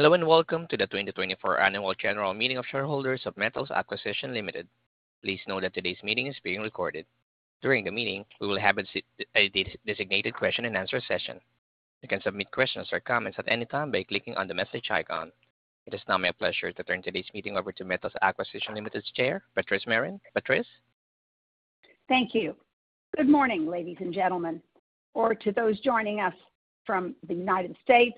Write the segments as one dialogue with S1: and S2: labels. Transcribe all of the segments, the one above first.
S1: Hello and welcome to the 2024 Annual General Meeting of Shareholders of Metals Acquisition Limited. Please note that today's meeting is being recorded. During the meeting, we will have a designated question-and-answer session. You can submit questions or comments at any time by clicking on the message icon. It is now my pleasure to turn today's meeting over to Metals Acquisition Limited's Chair, Patrice Merrin. Patrice?
S2: Thank you. Good morning, ladies and gentlemen, or to those joining us from the United States,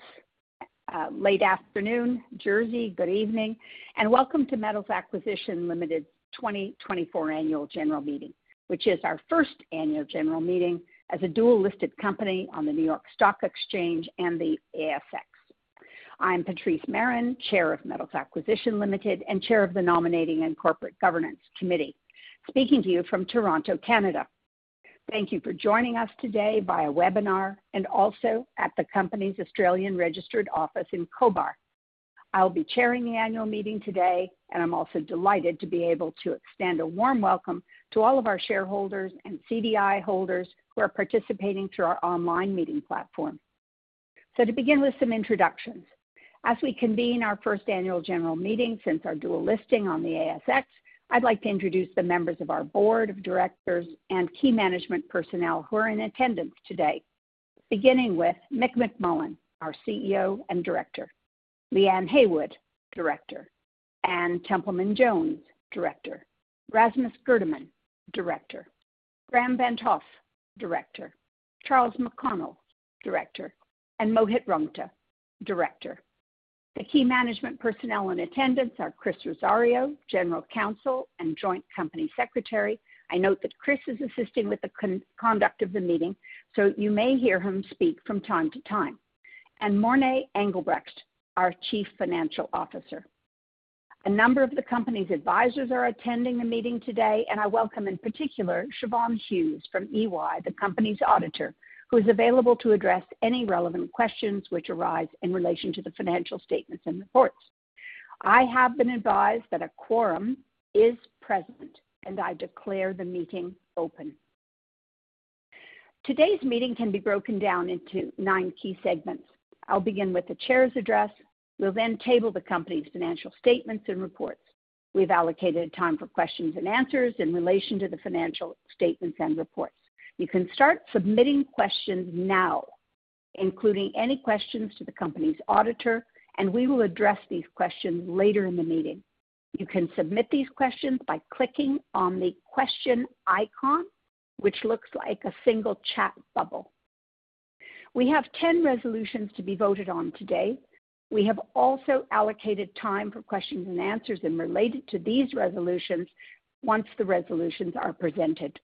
S2: late afternoon, Jersey. Good evening and welcome to Metals Acquisition Limited's 2024 Annual General Meeting, which is our first annual general meeting as a dual-listed company on the New York Stock Exchange and the ASX. I'm Patrice Merrin, Chair of Metals Acquisition Limited and Chair of the Nominating and Corporate Governance Committee, speaking to you from Toronto, Canada. Thank you for joining us today via webinar and also at the company's Australian Registered Office in Cobar. I'll be chairing the annual meeting today, and I'm also delighted to be able to extend a warm welcome to all of our shareholders and CDI holders who are participating through our online meeting platform. So, to begin with some introductions. As we convene our first annual general meeting since our dual-listing on the ASX, I'd like to introduce the members of our board of directors and key management personnel who are in attendance today, beginning with Mick McMullen, our CEO and director, Leanne Heywood, director, Anne Templeman-Jones, director, Rasmus Gerdeman, director, Graham van't Hoff, director, Charles McConnell, director, and Mohit Rungta, director. The key management personnel in attendance are Chris Rosario, General Counsel and Joint Company Secretary. I note that Chris is assisting with the conduct of the meeting, so you may hear him speak from time to time, and Morné Engelbrecht, our Chief Financial Officer. A number of the company's advisors are attending the meeting today, and I welcome in particular Siobhan Hughes from EY, the company's auditor, who is available to address any relevant questions which arise in relation to the financial statements and reports. I have been advised that a quorum is present, and I declare the meeting open. Today's meeting can be broken down into nine key segments. I'll begin with the chair's address. We'll then table the company's financial statements and reports. We've allocated time for questions and answers in relation to the financial statements and reports. You can start submitting questions now, including any questions to the company's auditor, and we will address these questions later in the meeting. You can submit these questions by clicking on the question icon, which looks like a single chat bubble. We have 10 resolutions to be voted on today. We have also allocated time for questions and answers related to these resolutions once the resolutions are presented.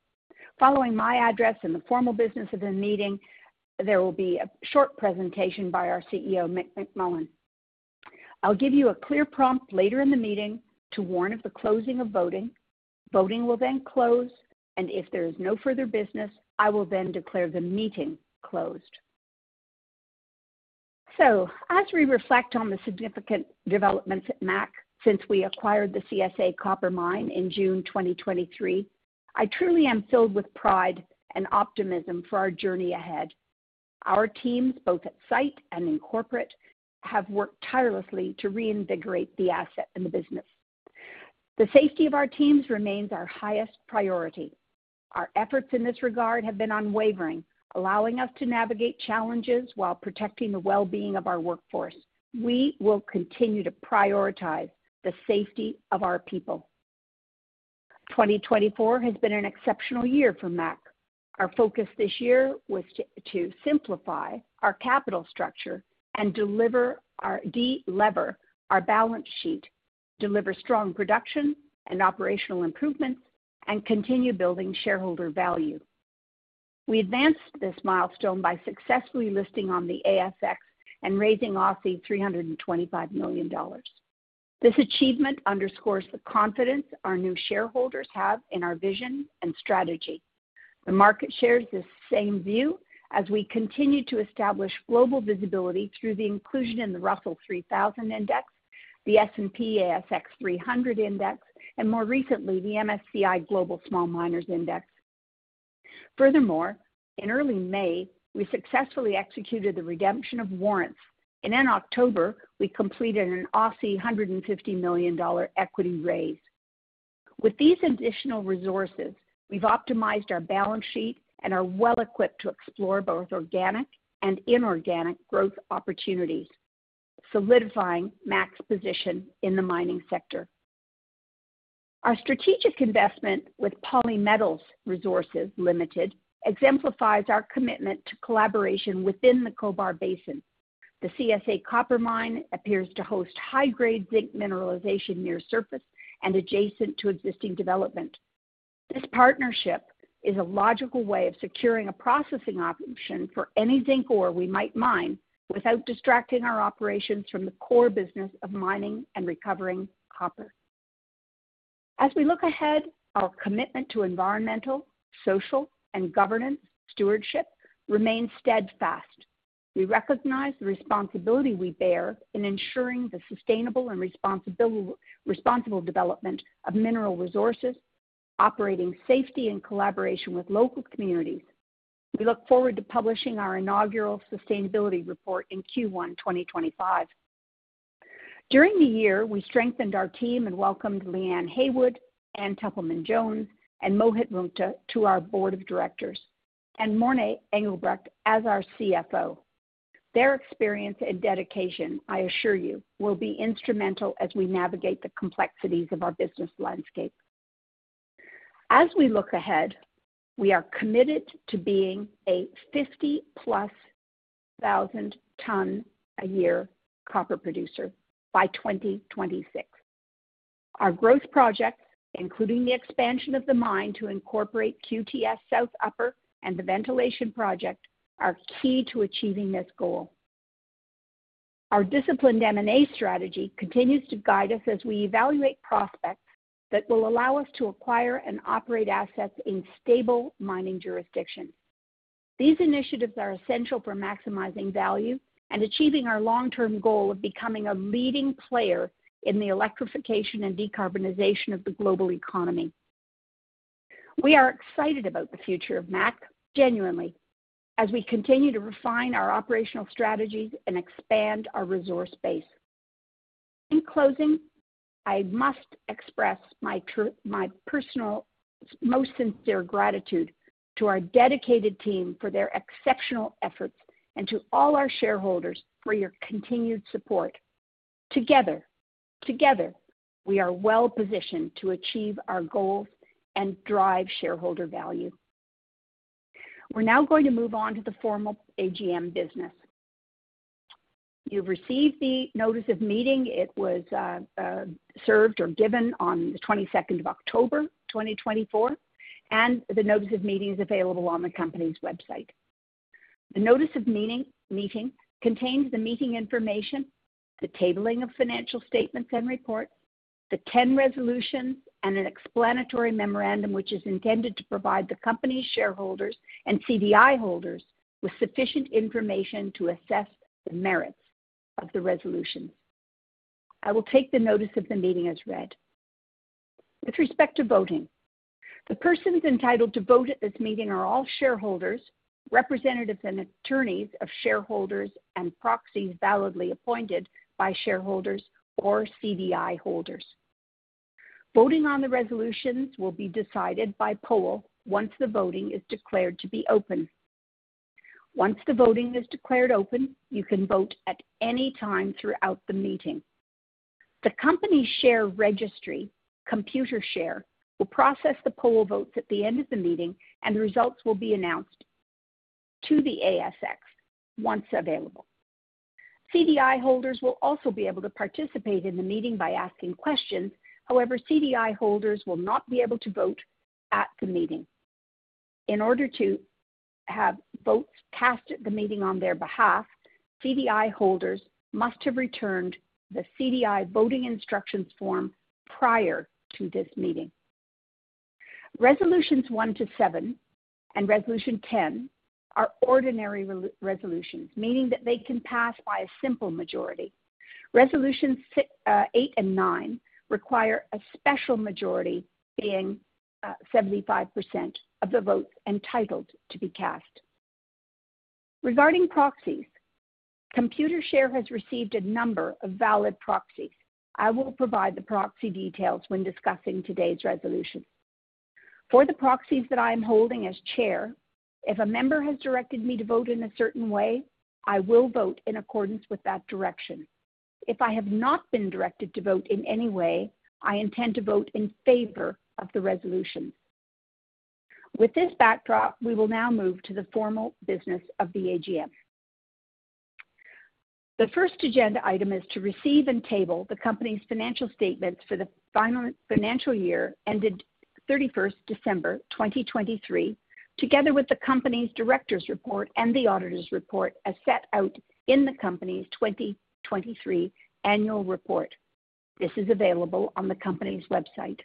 S2: Following my address and the formal business of the meeting, there will be a short presentation by our CEO, Mick McMullen. I'll give you a clear prompt later in the meeting to warn of the closing of voting. Voting will then close, and if there is no further business, I will then declare the meeting closed. So, as we reflect on the significant developments at MAC since we acquired the CSA Copper Mine in June 2023, I truly am filled with pride and optimism for our journey ahead. Our teams, both at site and in corporate, have worked tirelessly to reinvigorate the asset and the business. The safety of our teams remains our highest priority. Our efforts in this regard have been unwavering, allowing us to navigate challenges while protecting the well-being of our workforce. We will continue to prioritize the safety of our people. 2024 has been an exceptional year for MAC. Our focus this year was to simplify our capital structure and deliver our de-lever, our balance sheet, deliver strong production and operational improvements, and continue building shareholder value. We advanced this milestone by successfully listing on the ASX and raising 325 million Aussie dollars. This achievement underscores the confidence our new shareholders have in our vision and strategy. The market shares this same view as we continue to establish global visibility through the inclusion in the Russell 3000 Index, the S&P/ASX 300 Index, and more recently, the MSCI Global Small Miners Index. Furthermore, in early May, we successfully executed the redemption of warrants, and in October, we completed an 150 million Aussie dollars equity raise. With these additional resources, we've optimized our balance sheet and are well-equipped to explore both organic and inorganic growth opportunities, solidifying MAC's position in the mining sector. Our strategic investment with Polymetals Resources Ltd exemplifies our commitment to collaboration within the Cobar Basin. The CSA Copper Mine appears to host high-grade zinc mineralization near surface and adjacent to existing development. This partnership is a logical way of securing a processing option for any zinc ore we might mine without distracting our operations from the core business of mining and recovering copper. As we look ahead, our commitment to environmental, social, and governance stewardship remains steadfast. We recognize the responsibility we bear in ensuring the sustainable and responsible development of mineral resources, operating safely in collaboration with local communities. We look forward to publishing our inaugural sustainability report in Q1 2025. During the year, we strengthened our team and welcomed Leanne Heywood, Anne Templeman-Jones, and Mohit Rungta to our board of directors, and Morné Engelbrecht as our CFO. Their experience and dedication, I assure you, will be instrumental as we navigate the complexities of our business landscape. As we look ahead, we are committed to being a 50,000+ ton-a-year copper producer by 2026. Our growth projects, including the expansion of the mine to incorporate QTS South Upper and the ventilation project, are key to achieving this goal. Our disciplined M&A strategy continues to guide us as we evaluate prospects that will allow us to acquire and operate assets in stable mining jurisdictions. These initiatives are essential for maximizing value and achieving our long-term goal of becoming a leading player in the electrification and decarbonization of the global economy. We are excited about the future of MAC, genuinely, as we continue to refine our operational strategies and expand our resource base. In closing, I must express my personal most sincere gratitude to our dedicated team for their exceptional efforts and to all our shareholders for your continued support. Together, together, we are well-positioned to achieve our goals and drive shareholder value. We're now going to move on to the formal AGM business. You've received the notice of meeting. It was served or given on the 22nd of October 2024, and the notice of meeting is available on the company's website. The notice of meeting contains the meeting information, the tabling of financial statements and reports, the 10 resolutions, and an explanatory memorandum which is intended to provide the company's shareholders and CDI holders with sufficient information to assess the merits of the resolutions. I will take the notice of the meeting as read. With respect to voting, the persons entitled to vote at this meeting are all shareholders, representatives and attorneys of shareholders and proxies validly appointed by shareholders or CDI holders. Voting on the resolutions will be decided by poll once the voting is declared to be open. Once the voting is declared open, you can vote at any time throughout the meeting. The company's share registry, Computershare, will process the poll votes at the end of the meeting, and the results will be announced to the ASX once available. CDI holders will also be able to participate in the meeting by asking questions. However, CDI holders will not be able to vote at the meeting. In order to have votes cast at the meeting on their behalf, CDI holders must have returned the CDI voting instructions form prior to this meeting. Resolutions one to seven and Resolution 10 are ordinary resolutions, meaning that they can pass by a simple majority. Resolutions eight and nine require a special majority, being 75% of the votes entitled to be cast. Regarding proxies, Computershare has received a number of valid proxies. I will provide the proxy details when discussing today's resolution. For the proxies that I am holding as chair, if a member has directed me to vote in a certain way, I will vote in accordance with that direction. If I have not been directed to vote in any way, I intend to vote in favor of the resolutions. With this backdrop, we will now move to the formal business of the AGM. The first agenda item is to receive and table the company's financial statements for the final financial year ended 31st December 2023, together with the company's director's report and the auditor's report as set out in the company's 2023 annual report. This is available on the company's website.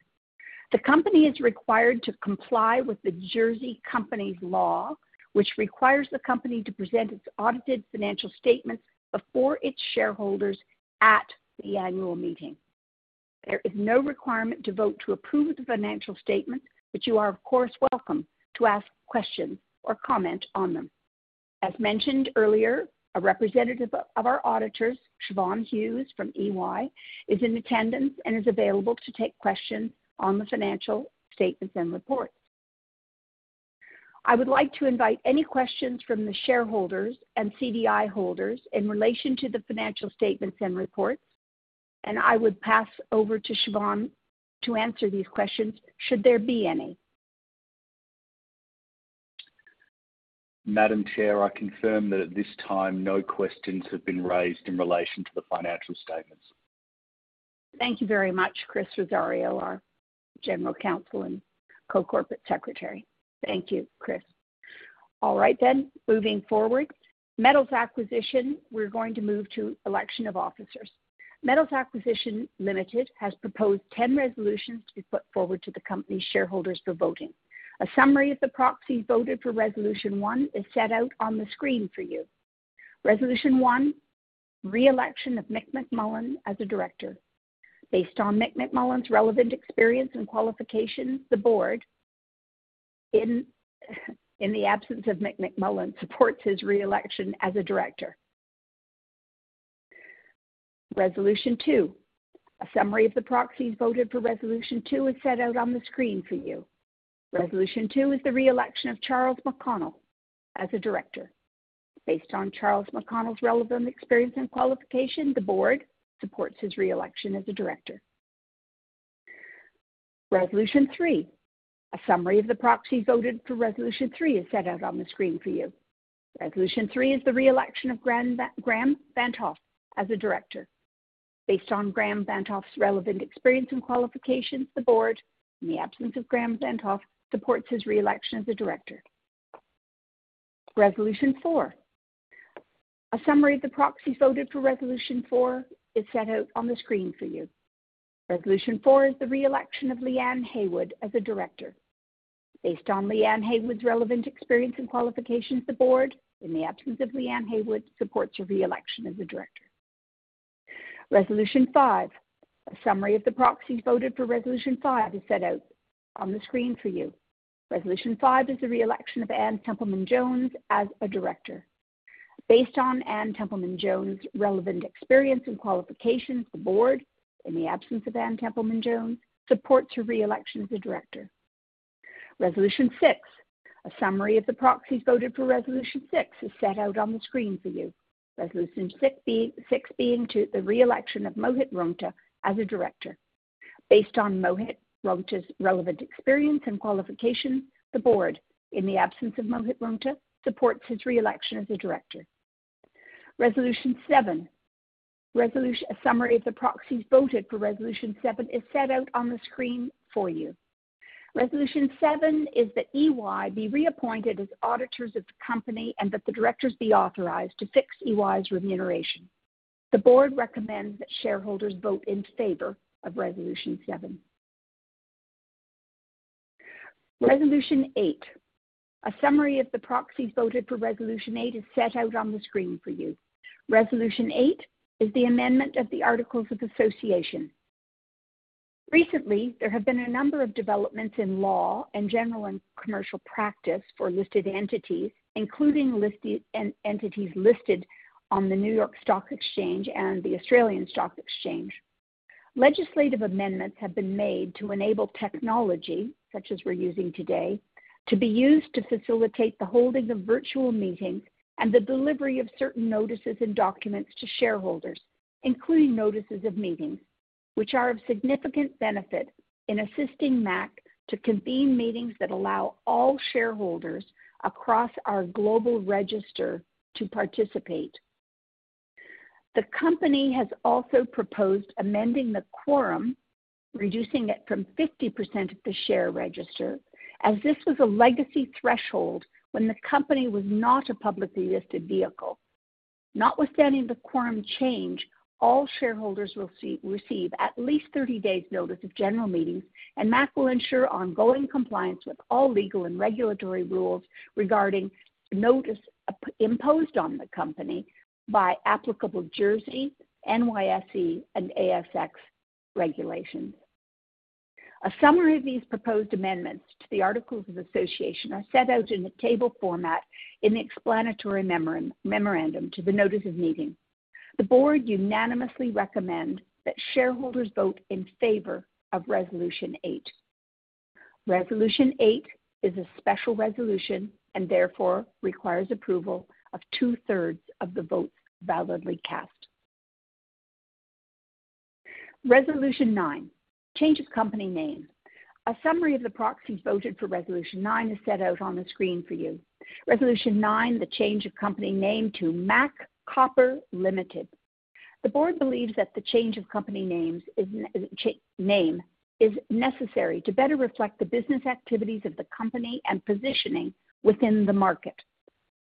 S2: The company is required to comply with the Jersey Companies Law, which requires the company to present its audited financial statements before its shareholders at the annual meeting. There is no requirement to vote to approve the financial statements, but you are, of course, welcome to ask questions or comment on them. As mentioned earlier, a representative of our auditors, Siobhan Hughes from EY, is in attendance and is available to take questions on the financial statements and reports. I would like to invite any questions from the shareholders and CDI holders in relation to the financial statements and reports, and I would pass over to Siobhan to answer these questions should there be any.
S3: Madam Chair, I confirm that at this time, no questions have been raised in relation to the financial statements.
S2: Thank you very much, Chris Rosario, our General Counsel and Joint Company Secretary. Thank you, Chris. All right then, moving forward, Metals Acquisition, we're going to move to election of officers. Metals Acquisition Limited has proposed 10 resolutions to be put forward to the company's shareholders for voting. A summary of the proxies voted for Resolution one is set out on the screen for you. Resolution one, re-election of Mick McMullen as a director. Based on Mick McMullen's relevant experience and qualifications, the board, in the absence of Mick McMullen, supports his re-election as a director. Resolution two, a summary of the proxies voted for Resolution two is set out on the screen for you. Resolution two is the re-election of Charles McConnell as a director. Based on Charles McConnell's relevant experience and qualification, the board supports his re-election as a director. Resolution three, a summary of the proxies voted for Resolution three is set out on the screen for you. Resolution three is the re-election of Graham van't Hoff as a director. Based on Graham van't Hoff's relevant experience and qualifications, the board, in the absence of Graham van't Hoff, supports his re-election as a director. Resolution four, a summary of the proxies voted for Resolution four is set out on the screen for you. Resolution four is the re-election of Leanne Heywood as a director. Based on Leanne Heywood's relevant experience and qualifications, the board, in the absence of Leanne Heywood, supports her re-election as a director. Resolution five, a summary of the proxies voted for Resolution five is set out on the screen for you. Resolution five is the re-election of Anne Templeman-Jones as a director. Based on Anne Templeman-Jones's relevant experience and qualifications, the board, in the absence of Anne Templeman-Jones, supports her re-election as a director. Resolution six, a summary of the proxies voted for Resolution six is set out on the screen for you. Resolution six being the re-election of Mohit Rungta as a director. Based on Mohit Rungta's relevant experience and qualifications, the board, in the absence of Mohit Rungta, supports his re-election as a director. Resolution seven, a summary of the proxies voted for Resolution seven is set out on the screen for you. Resolution seven is that EY be reappointed as auditors of the company and that the directors be authorized to fix EY's remuneration. The board recommends that shareholders vote in favor of Resolution seven. Resolution eight, a summary of the proxies voted for Resolution eight is set out on the screen for you. Resolution eight is the amendment of the Articles of Association. Recently, there have been a number of developments in law and general and commercial practice for listed entities, including entities listed on the New York Stock Exchange and the Australian Securities Exchange. Legislative amendments have been made to enable technology, such as we're using today, to be used to facilitate the holding of virtual meetings and the delivery of certain notices and documents to shareholders, including notices of meetings, which are of significant benefit in assisting MAC to convene meetings that allow all shareholders across our global register to participate. The company has also proposed amending the quorum, reducing it from 50% of the share register, as this was a legacy threshold when the company was not a publicly listed vehicle. Notwithstanding the quorum change, all shareholders will receive at least 30 days' notice of general meetings, and MAC will ensure ongoing compliance with all legal and regulatory rules regarding notice imposed on the company by applicable Jersey, NYSE, and ASX regulations. A summary of these proposed amendments to the Articles of Association is set out in a table format in the explanatory memorandum to the notice of meeting. The board unanimously recommends that shareholders vote in favor of Resolution eight. Resolution eight is a special resolution and therefore requires approval of two-thirds of the votes validly cast. Resolution nine, the change of company name. A summary of the proxies voted for Resolution nine is set out on the screen for you. Resolution nine, the change of company name to MAC Copper Limited. The board believes that the change of company name is necessary to better reflect the business activities of the company and positioning within the market.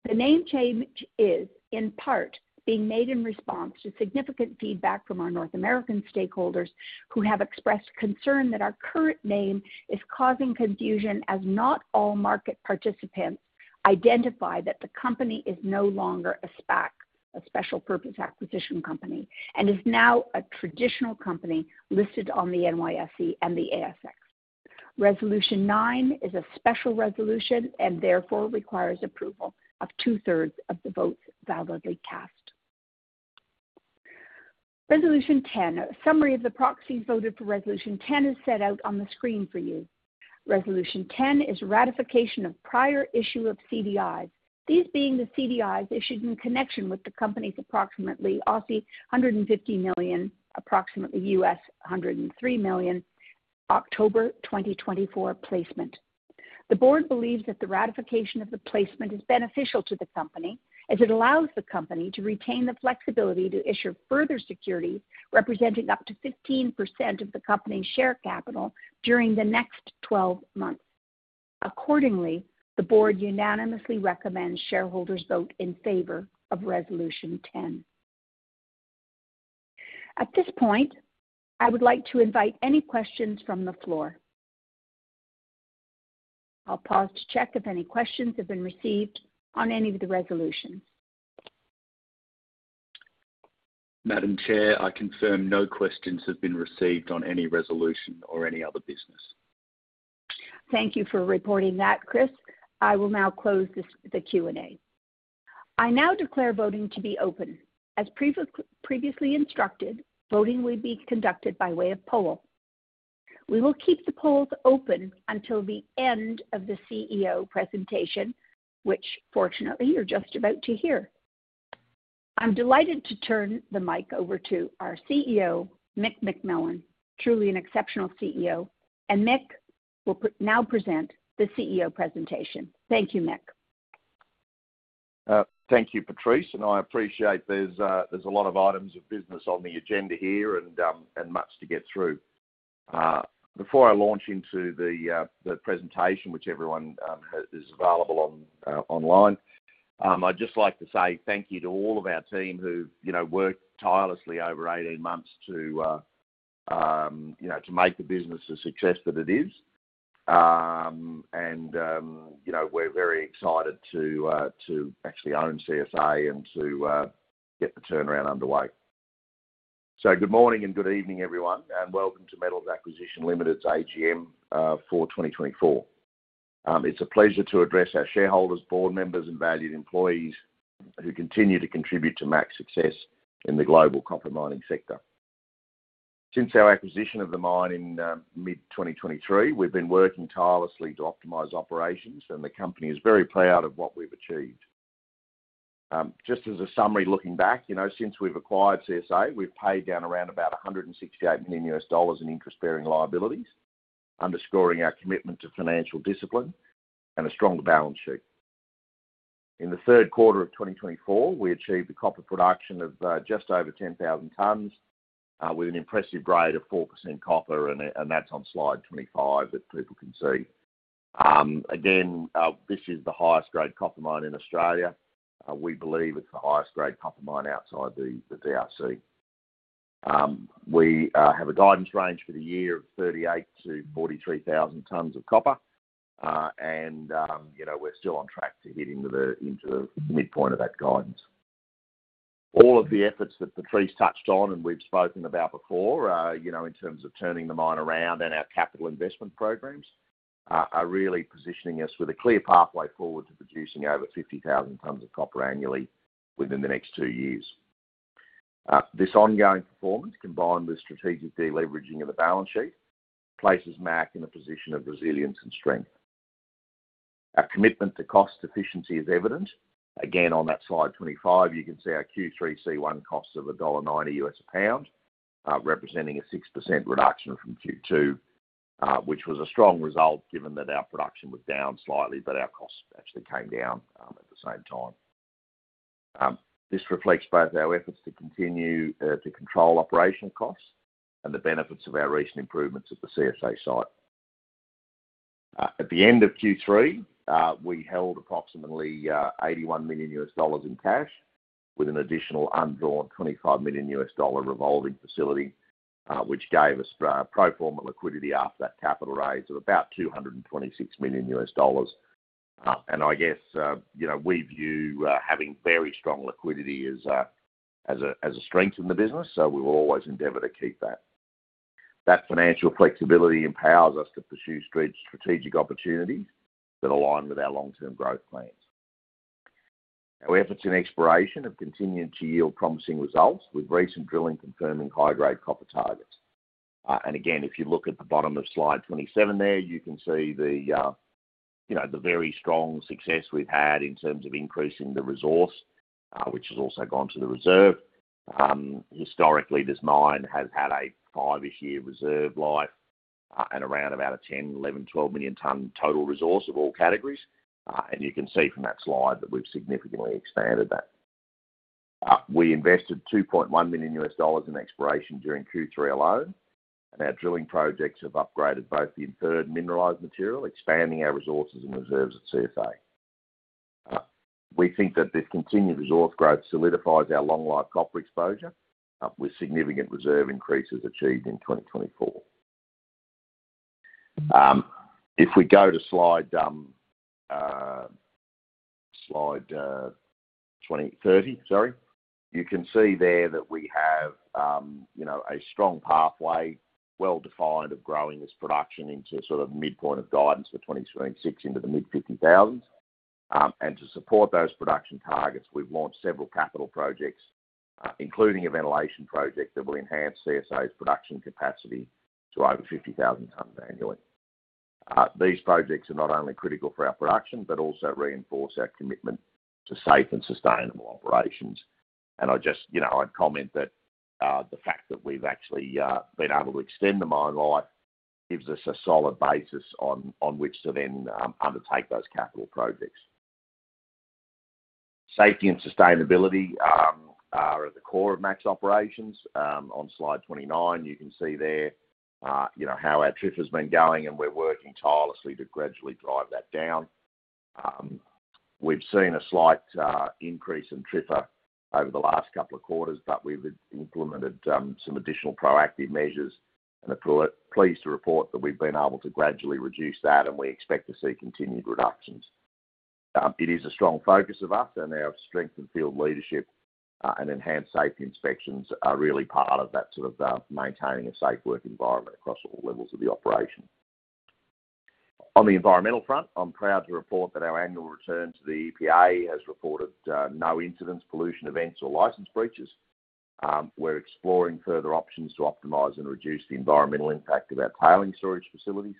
S2: The name change is, in part, being made in response to significant feedback from our North American stakeholders who have expressed concern that our current name is causing confusion as not all market participants identify that the company is no longer a SPAC, a Special Purpose Acquisition Company, and is now a traditional company listed on the NYSE and the ASX. Resolution nine is a special resolution and therefore requires approval of two-thirds of the votes validly cast. Resolution 10, a summary of the proxies voted for Resolution 10, is set out on the screen for you. Resolution 10 is ratification of prior issue of CDIs, these being the CDIs issued in connection with the company's approximately 150 million, approximately $103 million, October 2024 placement. The board believes that the ratification of the placement is beneficial to the company as it allows the company to retain the flexibility to issue further securities representing up to 15% of the company's share capital during the next 12 months. Accordingly, the board unanimously recommends shareholders vote in favor of Resolution 10. At this point, I would like to invite any questions from the floor. I'll pause to check if any questions have been received on any of the resolutions.
S3: Madam Chair, I confirm no questions have been received on any resolution or any other business.
S2: Thank you for reporting that, Chris. I will now close the Q&A. I now declare voting to be open. As previously instructed, voting will be conducted by way of poll. We will keep the polls open until the end of the CEO presentation, which, fortunately, you're just about to hear. I'm delighted to turn the mic over to our CEO, Mick McMullen, truly an exceptional CEO, and Mick will now present the CEO presentation. Thank you, Mick.
S4: Thank you, Patrice, and I appreciate there's a lot of items of business on the agenda here and much to get through. Before I launch into the presentation, which everyone is available online, I'd just like to say thank you to all of our team who've worked tirelessly over 18 months to make the business the success that it is. And we're very excited to actually own CSA and to get the turnaround underway. So good morning and good evening, everyone, and welcome to Metals Acquisition Limited's AGM for 2024. It's a pleasure to address our shareholders, board members, and valued employees who continue to contribute to MAC's success in the global copper mining sector. Since our acquisition of the mine in mid-2023, we've been working tirelessly to optimize operations, and the company is very proud of what we've achieved. Just as a summary looking back, since we've acquired CSA, we've paid down around about $168 million in interest-bearing liabilities, underscoring our commitment to financial discipline and a strong balance sheet. In the third quarter of 2024, we achieved a copper production of just over 10,000 tons with an impressive rate of 4% copper, and that's on slide 25 that people can see. Again, this is the highest-grade copper mine in Australia. We believe it's the highest-grade copper mine outside the DRC. We have a guidance range for the year of 38,000 tons-43,000 tons of copper, and we're still on track to hit into the midpoint of that guidance. All of the efforts that Patrice touched on and we've spoken about before in terms of turning the mine around and our capital investment programs are really positioning us with a clear pathway forward to producing over 50,000 tons of copper annually within the next two years. This ongoing performance, combined with strategic deleveraging of the balance sheet, places MAC in a position of resilience and strength. Our commitment to cost efficiency is evident. Again, on that slide 25, you can see our Q3 C1 costs of $1.90 a pound, representing a 6% reduction from Q2, which was a strong result given that our production was down slightly, but our costs actually came down at the same time. This reflects both our efforts to continue to control operational costs and the benefits of our recent improvements at the CSA site. At the end of Q3, we held approximately $81 million in cash with an additional undrawn $25 million revolving facility, which gave us pro forma liquidity after that capital raise of about $226 million. And I guess we view having very strong liquidity as a strength in the business, so we will always endeavor to keep that. That financial flexibility empowers us to pursue strategic opportunities that align with our long-term growth plans. Our efforts in exploration have continued to yield promising results with recent drilling confirming high-grade copper targets. Again, if you look at the bottom of slide 27 there, you can see the very strong success we've had in terms of increasing the resource, which has also gone to the reserve. Historically, this mine has had a five-ish year reserve life and around about a 10, 11, 12 million tonne total resource of all categories. And you can see from that slide that we've significantly expanded that. We invested $2.1 million in exploration during Q3 alone, and our drilling projects have upgraded both the inferred mineralized material, expanding our resources and reserves at CSA. We think that this continued resource growth solidifies our long-life copper exposure with significant reserve increases achieved in 2024. If we go to slide 30, sorry, you can see there that we have a strong pathway, well-defined of growing this production into sort of midpoint of guidance for 2026 into the mid-50,000s. And to support those production targets, we've launched several capital projects, including a ventilation project that will enhance CSA's production capacity to over 50,000 tons annually. These projects are not only critical for our production, but also reinforce our commitment to safe and sustainable operations. And I'd comment that the fact that we've actually been able to extend the mine life gives us a solid basis on which to then undertake those capital projects. Safety and sustainability are at the core of MAC's operations. On slide 29, you can see there how our TRIFR has been going, and we're working tirelessly to gradually drive that down. We've seen a slight increase in TRIFR over the last couple of quarters, but we've implemented some additional proactive measures and are pleased to report that we've been able to gradually reduce that, and we expect to see continued reductions. It is a strong focus of us, and our strength and field leadership and enhanced safety inspections are really part of that sort of maintaining a safe work environment across all levels of the operation. On the environmental front, I'm proud to report that our annual return to the EPA has reported no incidents, pollution events, or license breaches. We're exploring further options to optimize and reduce the environmental impact of our tailings storage facilities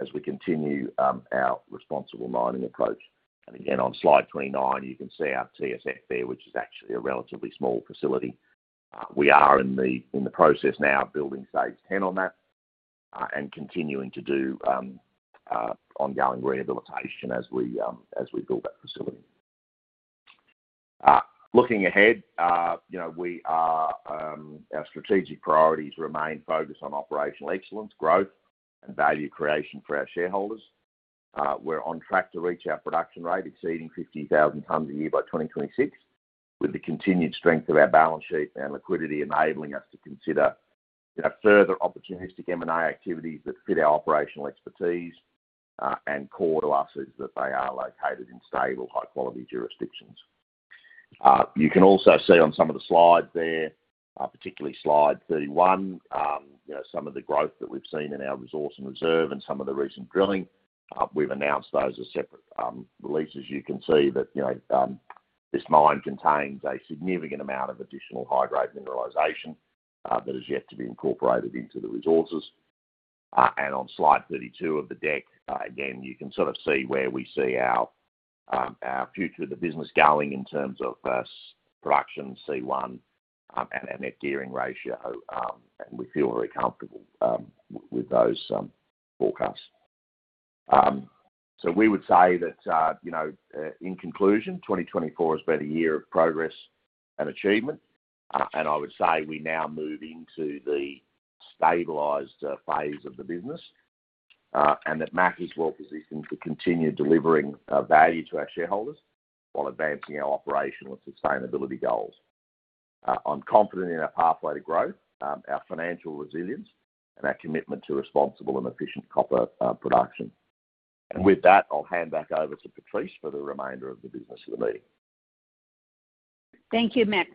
S4: as we continue our responsible mining approach, and again, on slide 29, you can see our TSF there, which is actually a relatively small facility. We are in the process now of building stage 10 on that and continuing to do ongoing rehabilitation as we build that facility. Looking ahead, our strategic priorities remain focused on operational excellence, growth, and value creation for our shareholders. We're on track to reach our production rate exceeding 50,000 tons a year by 2026, with the continued strength of our balance sheet and liquidity enabling us to consider further opportunistic M&A activities that fit our operational expertise and core to us as they are located in stable, high-quality jurisdictions. You can also see on some of the slides there, particularly slide 31, some of the growth that we've seen in our resource and reserve and some of the recent drilling. We've announced those as separate releases. You can see that this mine contains a significant amount of additional high-grade mineralization that has yet to be incorporated into the resources. On slide 32 of the deck, again, you can sort of see where we see our future of the business going in terms of production, C1, and net gearing ratio. We feel very comfortable with those forecasts. We would say that in conclusion, 2024 has been a year of progress and achievement. I would say we now move into the stabilized phase of the business and that MAC is well positioned to continue delivering value to our shareholders while advancing our operational and sustainability goals. I'm confident in our pathway to growth, our financial resilience, and our commitment to responsible and efficient copper production. With that, I'll hand back over to Patrice for the remainder of the business of the meeting.
S2: Thank you, Mick.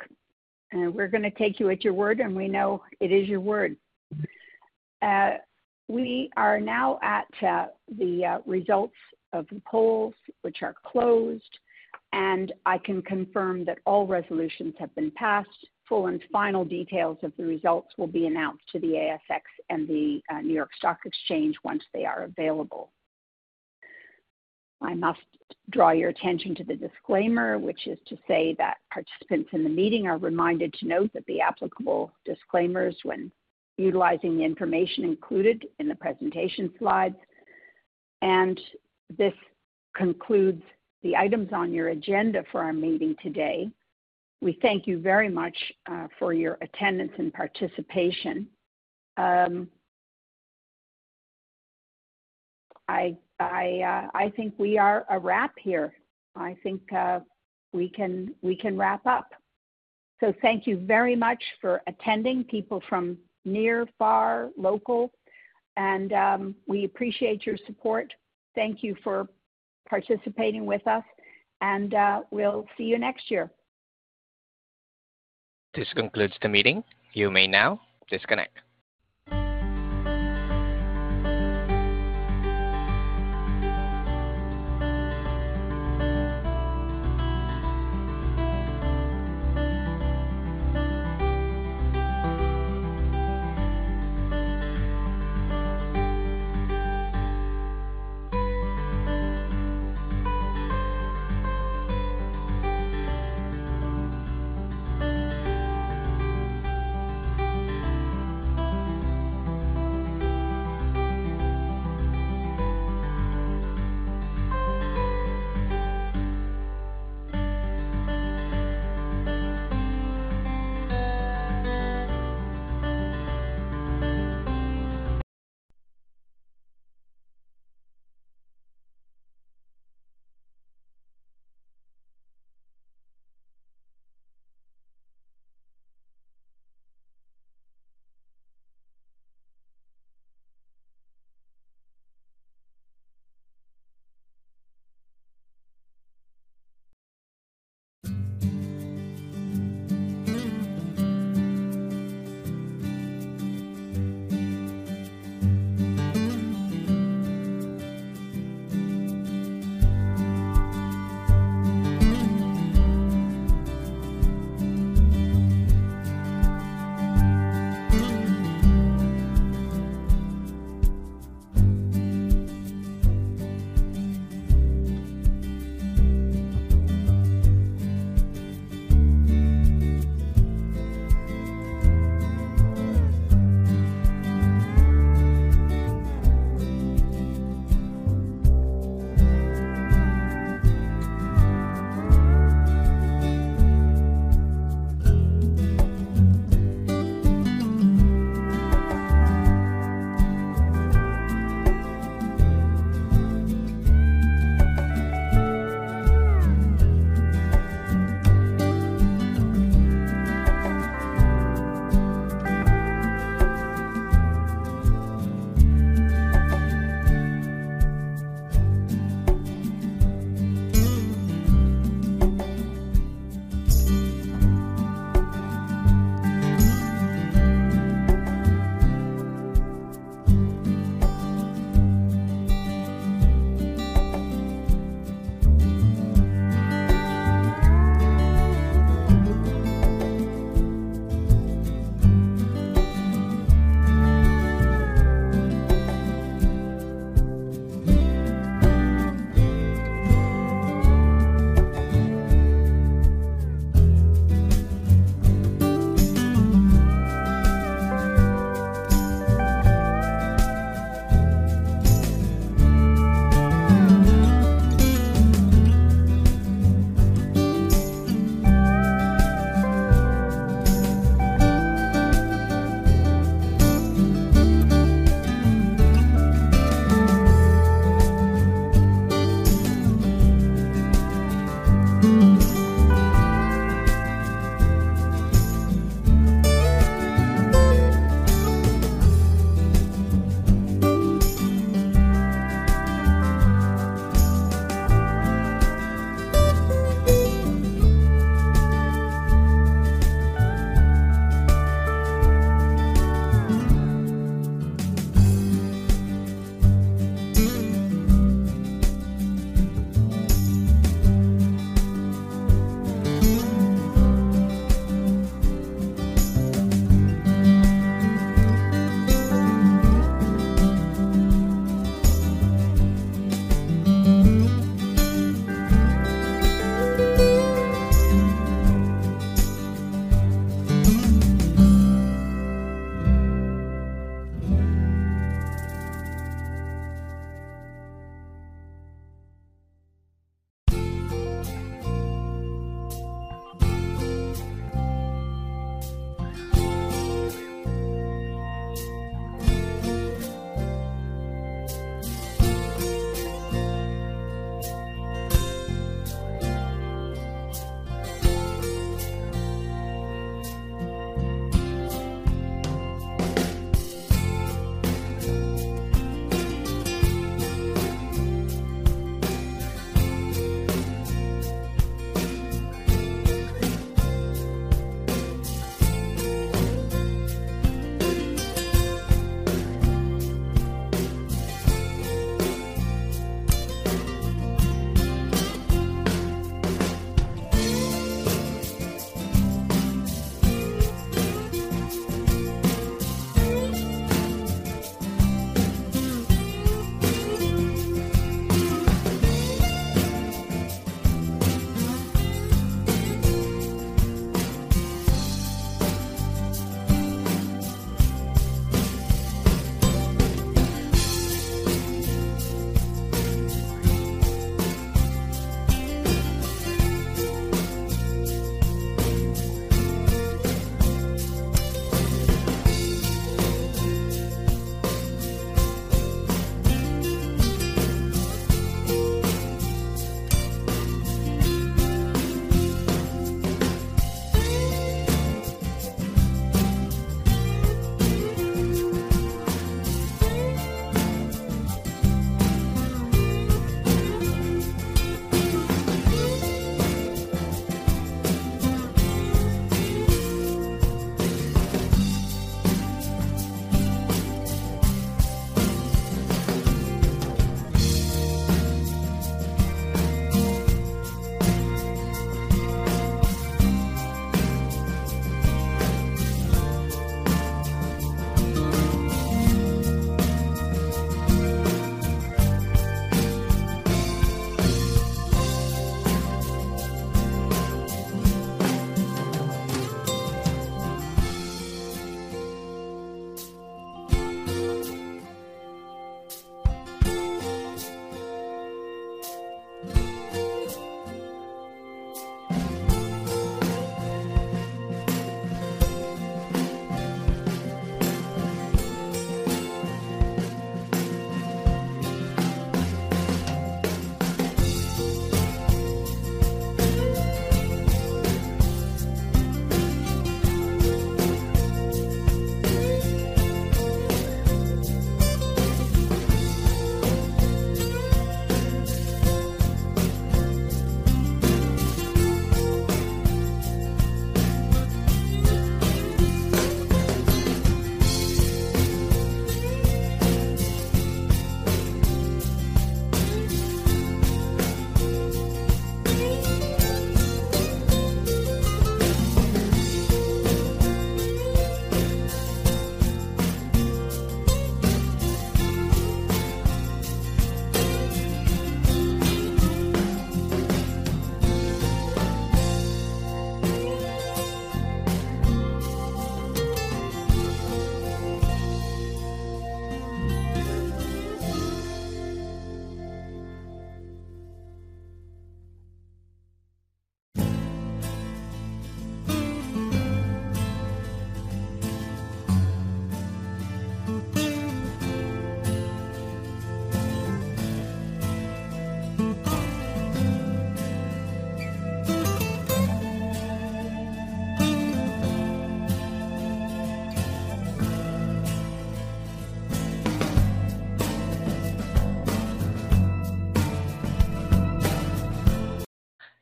S2: We're going to take you at your word, and we know it is your word. We are now at the results of the polls, which are closed, and I can confirm that all resolutions have been passed. Full and final details of the results will be announced to the ASX and the New York Stock Exchange once they are available. I must draw your attention to the disclaimer, which is to say that participants in the meeting are reminded to note that the applicable disclaimers when utilizing the information included in the presentation slides, and this concludes the items on your agenda for our meeting today. We thank you very much for your attendance and participation. I think we are a wrap here. I think we can wrap up, so thank you very much for attending, people from near, far, local. And we appreciate your support. Thank you for participating with us, and we'll see you next year.
S1: This concludes the meeting. You may now disconnect.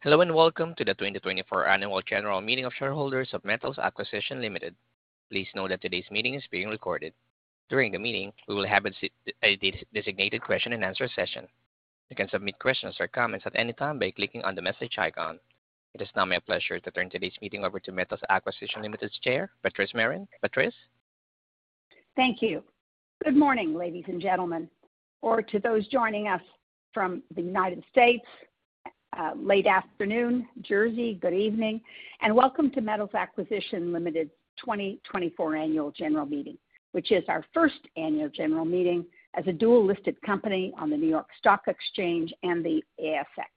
S1: Hello and welcome to the 2024 Annual General Meeting of Shareholders of Metals Acquisition Limited. Please note that today's meeting is being recorded. During the meeting, we will have a designated question-and-answer session. You can submit questions or comments at any time by clicking on the message icon. It is now my pleasure to turn today's meeting over to Metals Acquisition Limited's Chair, Patrice Merrin. Patrice?
S2: Thank you. Good morning, ladies and gentlemen, or to those joining us from the United States, late afternoon, Jersey, good evening, and welcome to Metals Acquisition Limited's 2024 Annual General Meeting, which is our first annual general meeting as a dual-listed company on the New York Stock Exchange and the ASX.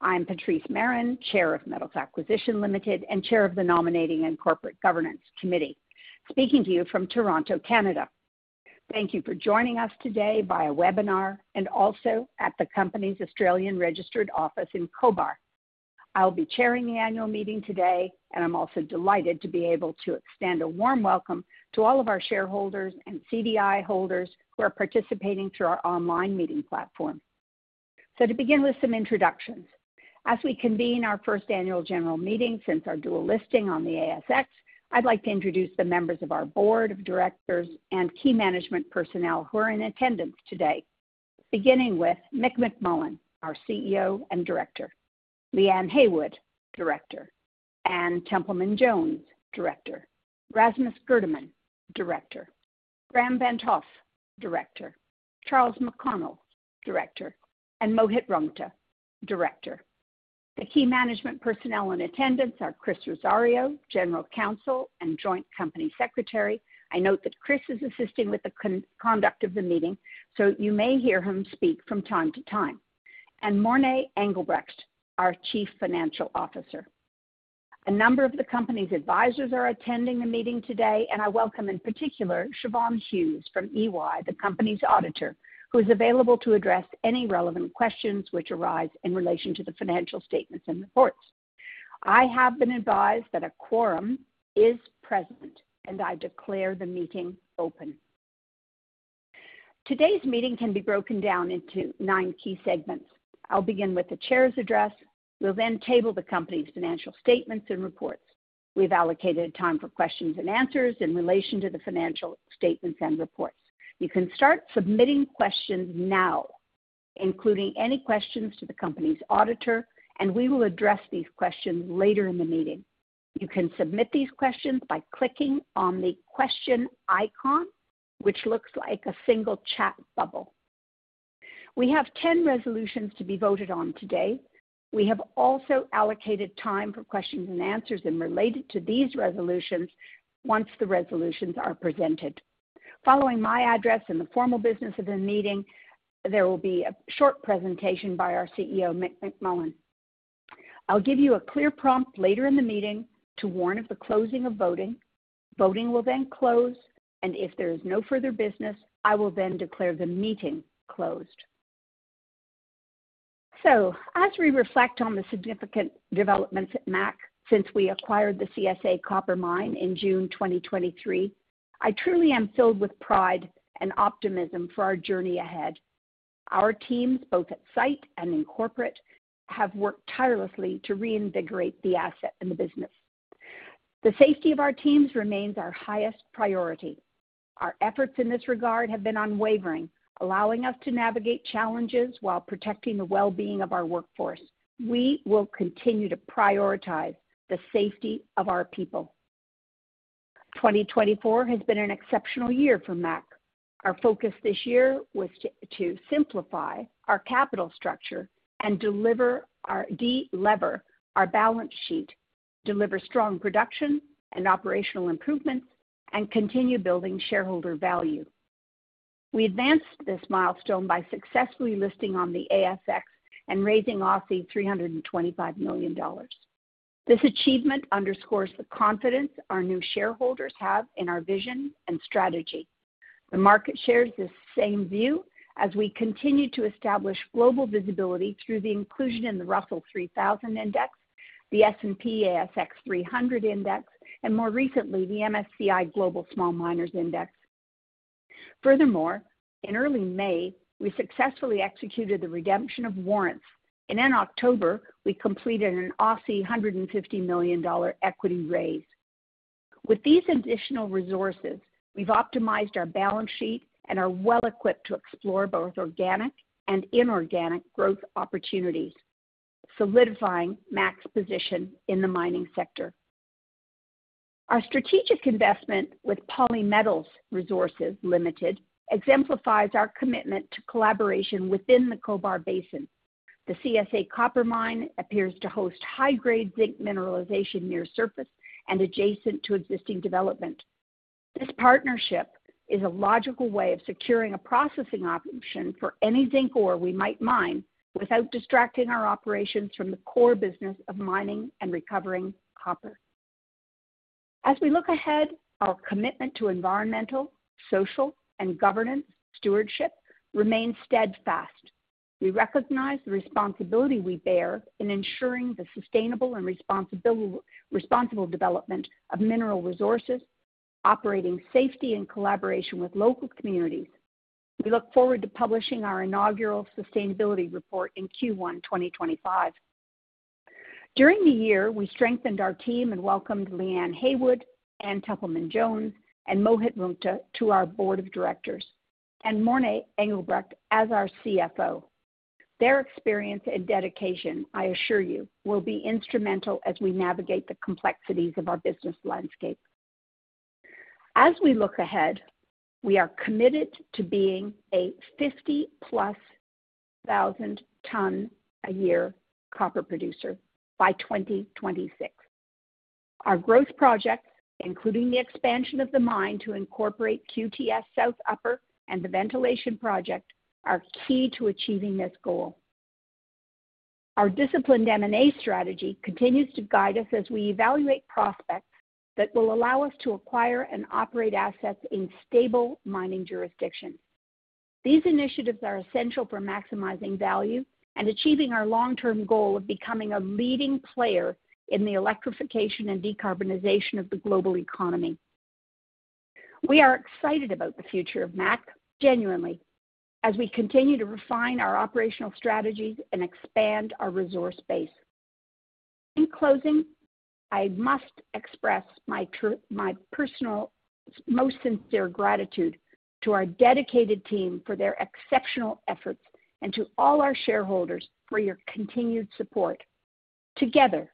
S2: I'm Patrice Merrin, Chair of Metals Acquisition Limited and Chair of the Nominating and Corporate Governance Committee, speaking to you from Toronto, Canada. Thank you for joining us today via webinar and also at the company's Australian Registered Office in Cobar. I'll be chairing the annual meeting today, and I'm also delighted to be able to extend a warm welcome to all of our shareholders and CDI holders who are participating through our online meeting platform, so to begin with some introductions. As we convene our first annual general meeting since our dual listing on the ASX, I'd like to introduce the members of our board of directors and key management personnel who are in attendance today, beginning with Mick McMullen, our CEO and director, Leanne Heywood, director, Anne Templeman-Jones, director, Rasmus Gerdeman, director, Graham van't Hoff, director, Charles McConnell, director, and Mohit Rungta, director. The key management personnel in attendance are Chris Rosario, General Counsel and Joint Company Secretary. I note that Chris is assisting with the conduct of the meeting, so you may hear him speak from time to time, and Morné Engelbrecht, our Chief Financial Officer. A number of the company's advisors are attending the meeting today, and I welcome in particular Siobhan Hughes from EY, the company's auditor, who is available to address any relevant questions which arise in relation to the financial statements and reports. I have been advised that a quorum is present, and I declare the meeting open. Today's meeting can be broken down into nine key segments. I'll begin with the chair's address. We'll then table the company's financial statements and reports. We've allocated time for questions and answers in relation to the financial statements and reports. You can start submitting questions now, including any questions to the company's auditor, and we will address these questions later in the meeting. You can submit these questions by clicking on the question icon, which looks like a single chat bubble. We have 10 resolutions to be voted on today. We have also allocated time for questions and answers related to these resolutions once the resolutions are presented. Following my address and the formal business of the meeting, there will be a short presentation by our CEO, Mick McMullen. I'll give you a clear prompt later in the meeting to warn of the closing of voting. Voting will then close, and if there is no further business, I will then declare the meeting closed. So, as we reflect on the significant developments at MAC since we acquired the CSA Copper Mine in June 2023, I truly am filled with pride and optimism for our journey ahead. Our teams, both at site and in corporate, have worked tirelessly to reinvigorate the asset and the business. The safety of our teams remains our highest priority. Our efforts in this regard have been unwavering, allowing us to navigate challenges while protecting the well-being of our workforce. We will continue to prioritize the safety of our people. 2024 has been an exceptional year for MAC. Our focus this year was to simplify our capital structure and deliver our de-lever, our balance sheet, deliver strong production and operational improvements, and continue building shareholder value. We advanced this milestone by successfully listing on the ASX and raising 325 million Aussie dollars. This achievement underscores the confidence our new shareholders have in our vision and strategy. The market shares this same view as we continue to establish global visibility through the inclusion in the Russell 3000 Index, the S&P/ASX 300 Index, and more recently, the MSCI Global Small Miners Index. Furthermore, in early May, we successfully executed the redemption of warrants, and in October, we completed an 150 million Aussie dollars equity raise. With these additional resources, we've optimized our balance sheet and are well-equipped to explore both organic and inorganic growth opportunities, solidifying MAC's position in the mining sector. Our strategic investment with Polymetals Resources Ltd exemplifies our commitment to collaboration within the Cobar Basin. The CSA Copper Mine appears to host high-grade zinc mineralization near surface and adjacent to existing development. This partnership is a logical way of securing a processing option for any zinc ore we might mine without distracting our operations from the core business of mining and recovering copper. As we look ahead, our commitment to environmental, social, and governance stewardship remains steadfast. We recognize the responsibility we bear in ensuring the sustainable and responsible development of mineral resources, operating safely in collaboration with local communities. We look forward to publishing our inaugural sustainability report in Q1 2025. During the year, we strengthened our team and welcomed Leanne Heywood, Anne Templeman-Jones, and Mohit Rungta to our board of directors, and Morné Engelbrecht as our CFO. Their experience and dedication, I assure you, will be instrumental as we navigate the complexities of our business landscape. As we look ahead, we are committed to being a 50,000+ ton-a-year copper producer by 2026. Our growth projects, including the expansion of the mine to incorporate QTS South Upper and the ventilation project, are key to achieving this goal. Our disciplined M&A strategy continues to guide us as we evaluate prospects that will allow us to acquire and operate assets in stable mining jurisdictions. These initiatives are essential for maximizing value and achieving our long-term goal of becoming a leading player in the electrification and decarbonization of the global economy. We are excited about the future of MAC, genuinely, as we continue to refine our operational strategies and expand our resource base. In closing, I must express my personal most sincere gratitude to our dedicated team for their exceptional efforts and to all our shareholders for your continued support. Together,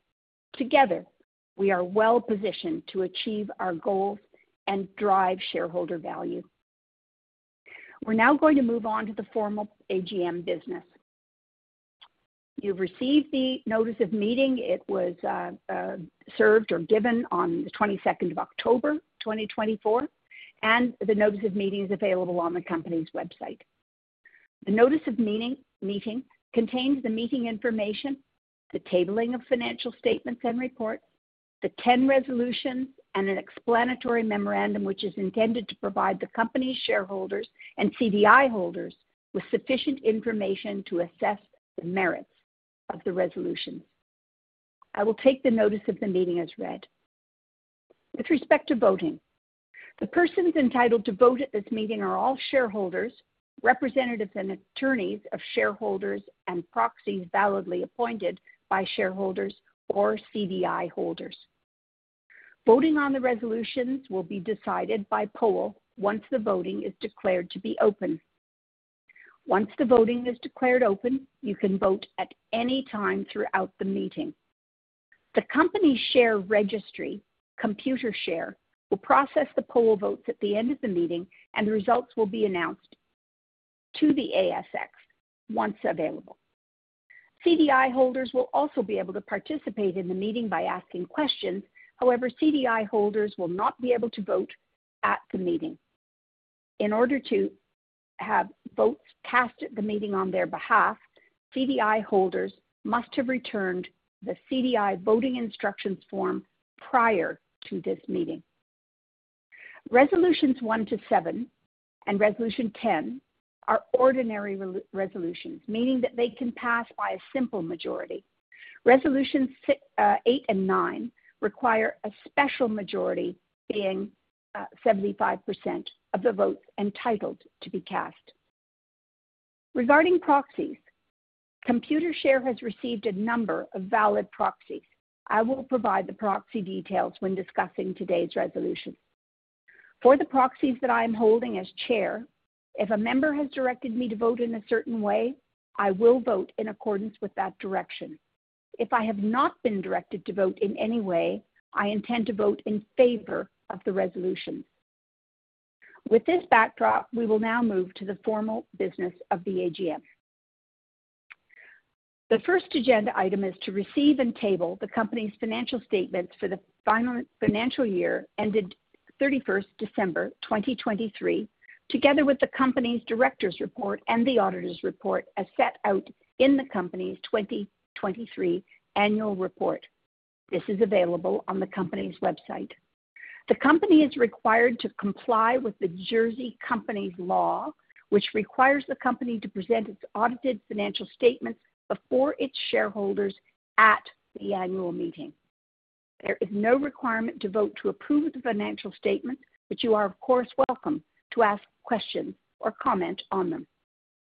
S2: we are well-positioned to achieve our goals and drive shareholder value. We're now going to move on to the formal AGM business. You've received the notice of meeting. It was served or given on the 22nd of October 2024, and the notice of meeting is available on the company's website. The notice of meeting contains the meeting information, the tabling of financial statements and reports, the 10 resolutions, and an explanatory memorandum which is intended to provide the company's shareholders and CDI holders with sufficient information to assess the merits of the resolutions. I will take the notice of the meeting as read. With respect to voting, the persons entitled to vote at this meeting are all shareholders, representatives, and attorneys of shareholders and proxies validly appointed by shareholders or CDI holders. Voting on the resolutions will be decided by poll once the voting is declared to be open. Once the voting is declared open, you can vote at any time throughout the meeting. The company's share registry, Computershare, will process the poll votes at the end of the meeting, and the results will be announced to the ASX once available. CDI holders will also be able to participate in the meeting by asking questions. However, CDI holders will not be able to vote at the meeting. In order to have votes cast at the meeting on their behalf, CDI holders must have returned the CDI voting instructions form prior to this meeting. Resolutions 1 to 7 and Resolution 10 are ordinary resolutions, meaning that they can pass by a simple majority. Resolutions 8 and 9 require a special majority, being 75% of the votes entitled to be cast. Regarding proxies, Computershare has received a number of valid proxies. I will provide the proxy details when discussing today's resolution. For the proxies that I am holding as chair, if a member has directed me to vote in a certain way, I will vote in accordance with that direction. If I have not been directed to vote in any way, I intend to vote in favor of the resolutions. With this backdrop, we will now move to the formal business of the AGM. The first agenda item is to receive and table the company's financial statements for the final financial year ended 31st December 2023, together with the company's director's report and the auditor's report as set out in the company's 2023 annual report. This is available on the company's website. The company is required to comply with the Jersey Companies Law, which requires the company to present its audited financial statements before its shareholders at the annual meeting. There is no requirement to vote to approve the financial statements, but you are, of course, welcome to ask questions or comment on them.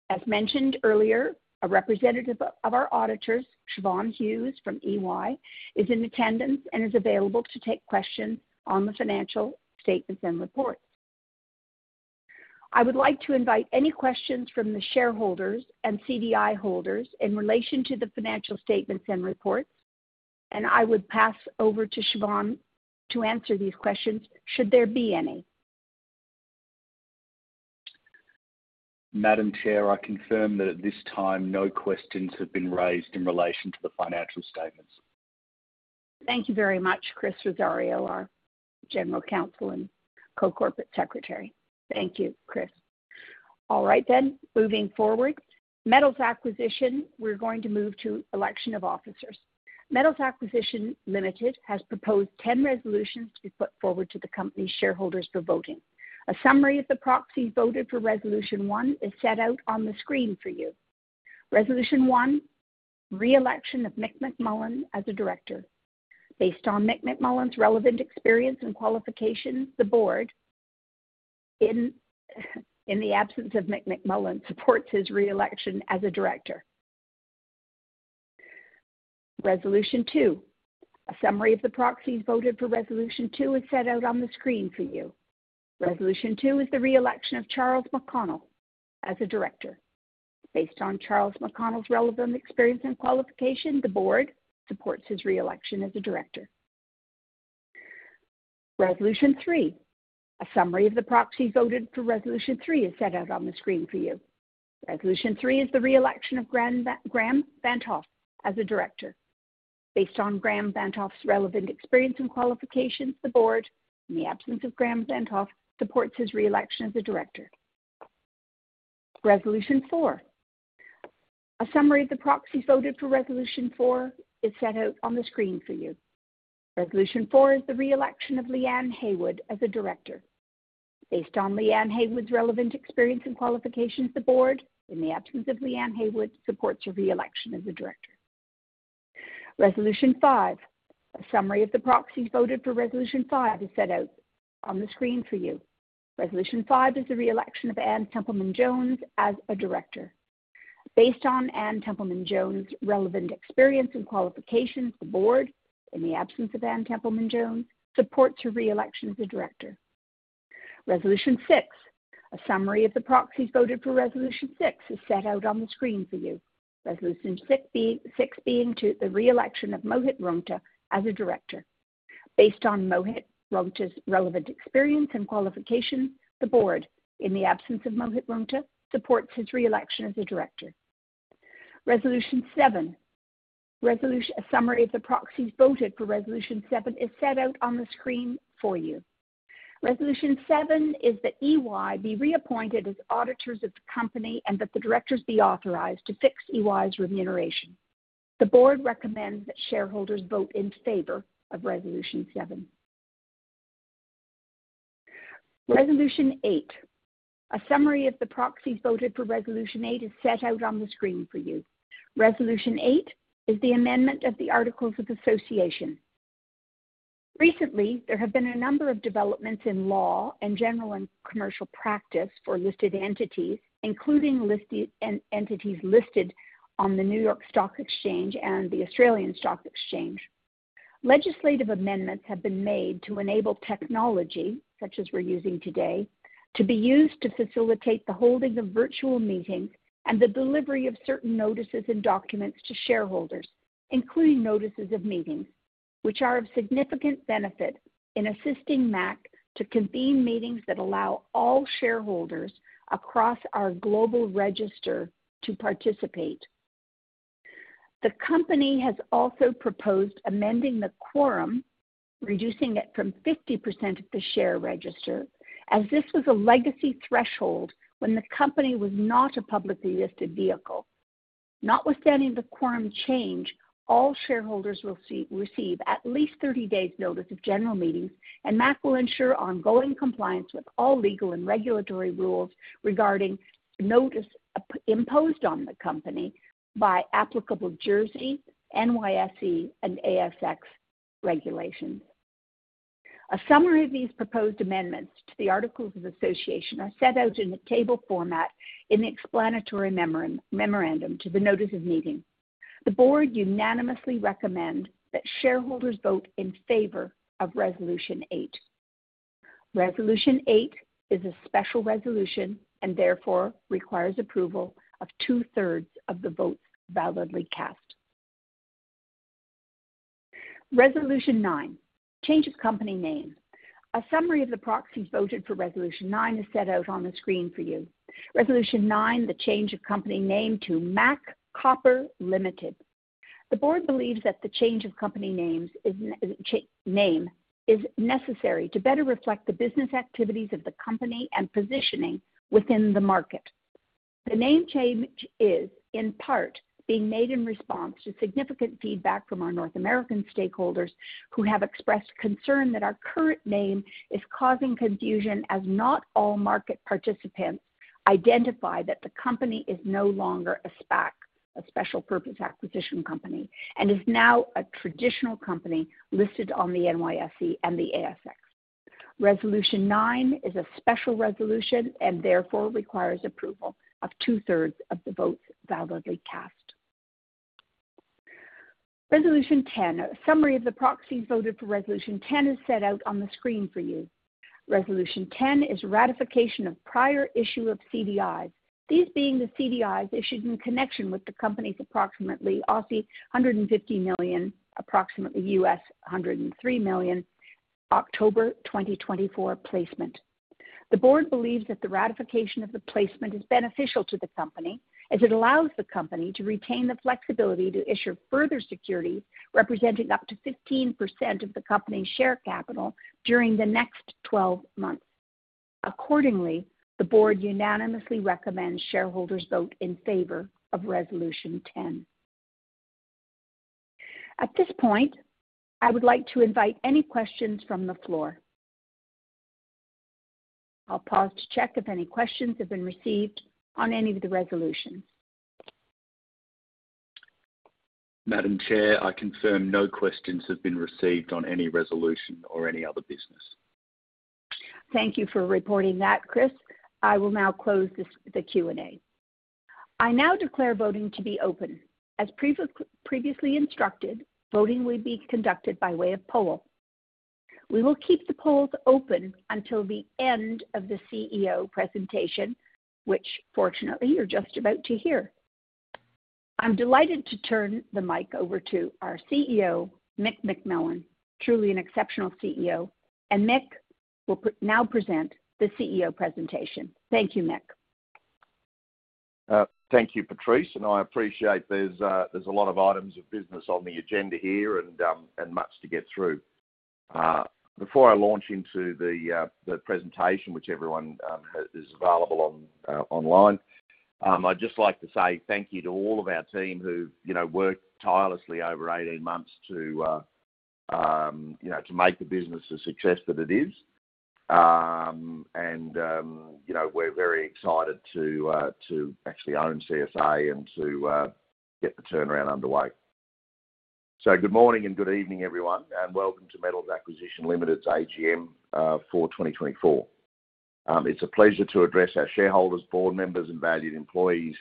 S2: As mentioned earlier, a representative of our auditors, Siobhan Hughes from EY, is in attendance and is available to take questions on the financial statements and reports. I would like to invite any questions from the shareholders and CDI holders in relation to the financial statements and reports, and I would pass over to Siobhan to answer these questions should there be any.
S3: Madam Chair, I confirm that at this time, no questions have been raised in relation to the financial statements.
S2: Thank you very much, Chris Rosario, our General Counsel and Joint Company Secretary. Thank you, Chris. All right then, moving forward, Metals Acquisition, we're going to move to election of officers. Metals Acquisition Limited has proposed 10 resolutions to be put forward to the company's shareholders for voting. A summary of the proxies voted for Resolution 1 is set out on the screen for you. Resolution 1, re-election of Mick McMullen as a director. Based on Mick McMullen's relevant experience and qualifications, the board, in the absence of Mick McMullen, supports his re-election as a director. Resolution two, a summary of the proxies voted for Resolution two is set out on the screen for you. Resolution two is the re-election of Charles McConnell as a director. Based on Charles McConnell's relevant experience and qualification, the board supports his re-election as a director. Resolution three, a summary of the proxies voted for Resolution three is set out on the screen for you. Resolution three is the re-election of Graham van't Hoff as a director. Based on Graham van't Hoff's relevant experience and qualifications, the board, in the absence of Graham van't Hoff, supports his re-election as a director. Resolution four, a summary of the proxies voted for Resolution four is set out on the screen for you. Resolution four is the re-election of Leanne Heywood as a director. Based on Leanne Heywood's relevant experience and qualifications, the board, in the absence of Leanne Heywood, supports her re-election as a director. Resolution five, a summary of the proxies voted for Resolution five is set out on the screen for you. Resolution five is the re-election of Anne Templeman-Jones as a director. Based on Anne Templeman-Jones' relevant experience and qualifications, the board, in the absence of Anne Templeman-Jones, supports her re-election as a director. Resolution six, a summary of the proxies voted for Resolution six is set out on the screen for you. Resolution six being the re-election of Mohit Rungta as a director. Based on Mohit Rungta's relevant experience and qualifications, the board, in the absence of Mohit Rungta, supports his re-election as a director. Resolution seven, a summary of the proxies voted for Resolution seven is set out on the screen for you. Resolution seven is that EY be reappointed as auditors of the company and that the directors be authorized to fix EY's remuneration. The board recommends that shareholders vote in favor of Resolution seven. Resolution eight, a summary of the proxies voted for Resolution eight is set out on the screen for you. Resolution eight is the amendment of the Articles of Association. Recently, there have been a number of developments in law and general and commercial practice for listed entities, including listed entities listed on the New York Stock Exchange and the Australian Securities Exchange. Legislative amendments have been made to enable technology, such as we're using today, to be used to facilitate the holding of virtual meetings and the delivery of certain notices and documents to shareholders, including notices of meetings, which are of significant benefit in assisting MAC to convene meetings that allow all shareholders across our global register to participate. The company has also proposed amending the quorum, reducing it from 50% of the share register, as this was a legacy threshold when the company was not a publicly listed vehicle. Notwithstanding the quorum change, all shareholders will receive at least 30 days' notice of general meetings, and MAC will ensure ongoing compliance with all legal and regulatory rules regarding notice imposed on the company by applicable Jersey, NYSE, and ASX regulations. A summary of these proposed amendments to the Articles of Association is set out in a table format in the explanatory memorandum to the notice of meeting. The board unanimously recommends that shareholders vote in favor of Resolution eight. Resolution eight is a special resolution and therefore requires approval of two-thirds of the votes validly cast. Resolution nine, change of company name. A summary of the proxies voted for Resolution nine is set out on the screen for you. Resolution nine, the change of company name to MAC Copper Limited. The board believes that the change of company name is necessary to better reflect the business activities of the company and positioning within the market. The name change is, in part, being made in response to significant feedback from our North American stakeholders who have expressed concern that our current name is causing confusion as not all market participants identify that the company is no longer a SPAC, a Special Purpose Acquisition Company, and is now a traditional company listed on the NYSE and the ASX. Resolution nine is a special resolution and therefore requires approval of two-thirds of the votes validly cast. Resolution 10, a summary of the proxies voted for Resolution 10 is set out on the screen for you. Resolution 10 is ratification of prior issue of CDIs, these being the CDIs issued in connection with the company's approximately 150 million, approximately $103 million, October 2024 placement. The board believes that the ratification of the placement is beneficial to the company as it allows the company to retain the flexibility to issue further securities representing up to 15% of the company's share capital during the next 12 months. Accordingly, the board unanimously recommends shareholders vote in favor of Resolution 10. At this point, I would like to invite any questions from the floor. I'll pause to check if any questions have been received on any of the resolutions.
S3: Madam Chair, I confirm no questions have been received on any resolution or any other business.
S2: Thank you for reporting that, Chris. I will now close the Q&A. I now declare voting to be open. As previously instructed, voting will be conducted by way of poll. We will keep the polls open until the end of the CEO presentation, which, fortunately, you're just about to hear. I'm delighted to turn the mic over to our CEO, Mick McMullen, truly an exceptional CEO, and Mick will now present the CEO presentation. Thank you, Mick.
S4: Thank you, Patrice, and I appreciate there's a lot of items of business on the agenda here and much to get through. Before I launch into the presentation, which is available online, I'd just like to say thank you to all of our team who've worked tirelessly over 18 months to make the business the success that it is, and we're very excited to actually own CSA and to get the turnaround underway, so good morning and good evening, everyone, and welcome to Metals Acquisition Limited's AGM for 2024. It's a pleasure to address our shareholders, board members, and valued employees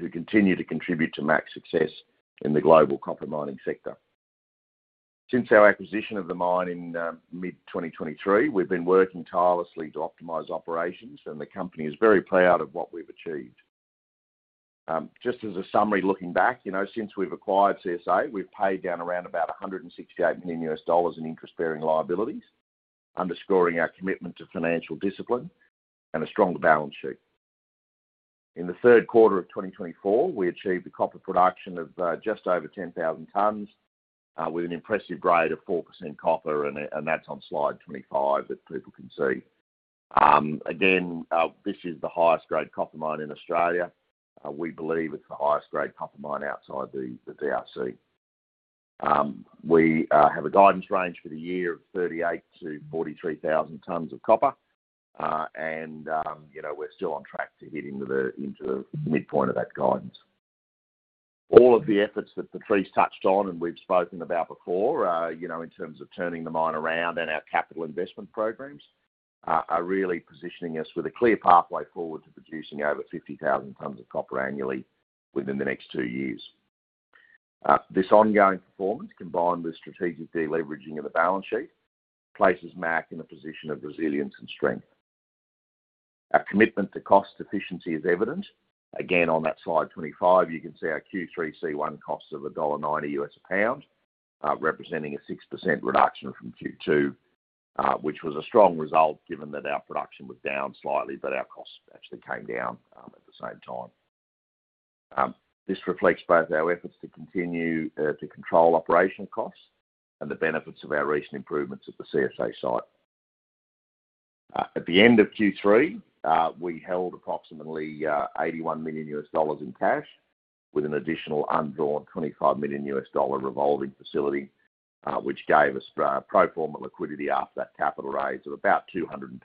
S4: who continue to contribute to MAC's success in the global copper mining sector. Since our acquisition of the mine in mid-2023, we've been working tirelessly to optimize operations, and the company is very proud of what we've achieved. Just as a summary looking back, since we've acquired CSA, we've paid down around about $168 million in interest-bearing liabilities, underscoring our commitment to financial discipline and a strong balance sheet. In the third quarter of 2024, we achieved a copper production of just over 10,000 tons with an impressive grade of 4% copper, and that's on slide 25 that people can see. Again, this is the highest-grade copper mine in Australia. We believe it's the highest-grade copper mine outside the DRC. We have a guidance range for the year of 38,000 tons-43,000 tons of copper, and we're still on track to hit into the midpoint of that guidance. All of the efforts that Patrice touched on and we've spoken about before in terms of turning the mine around and our capital investment programs are really positioning us with a clear pathway forward to producing over 50,000 tons of copper annually within the next two years. This ongoing performance, combined with strategic deleveraging of the balance sheet, places MAC in a position of resilience and strength. Our commitment to cost efficiency is evident. Again, on that slide 25, you can see our Q3 C1 costs of $1.90 a pound, representing a 6% reduction from Q2, which was a strong result given that our production was down slightly, but our costs actually came down at the same time. This reflects both our efforts to continue to control operational costs and the benefits of our recent improvements at the CSA site. At the end of Q3, we held approximately $81 million in cash with an additional undrawn $25 million revolving facility, which gave us pro forma liquidity after that capital raise of about $226